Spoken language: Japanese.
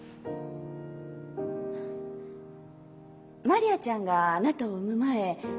マリアちゃんがあなたを産む前。